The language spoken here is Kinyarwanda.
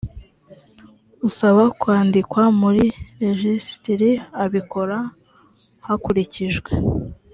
usaba kwandikwa muri rejisitiri abikora hakurikijwe